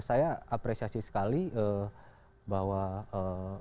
saya apresiasi sekali bahwa pimpinan ini berulang